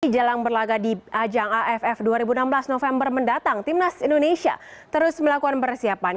jelang berlaga di ajang aff dua ribu enam belas november mendatang timnas indonesia terus melakukan persiapan